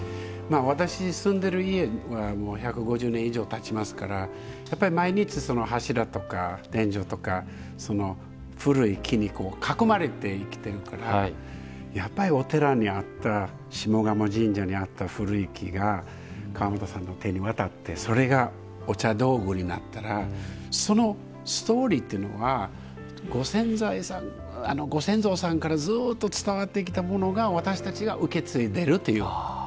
私、住んでいる家が１５０年以上たちますから毎日、柱とか天井とか、古い木に囲まれて生きてるからやっぱり、お寺に合った下鴨神社にあった古い木が川本さんの手に渡ってそれが、お茶道具になったらそのストーリーっていうのはご先祖さんからずっと伝わってきたものが私たちが受け継いでるっていう。